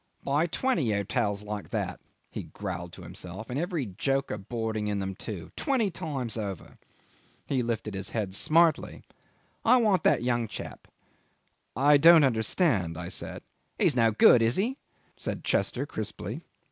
"Buy twenty hotels like that," he growled to himself; "and every joker boarding in them too twenty times over." He lifted his head smartly "I want that young chap." "I don't understand," I said. "He's no good, is he?" said Chester crisply.